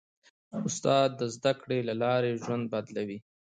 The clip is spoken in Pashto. استاد د زدهکړې له لارې ژوند بدلوي.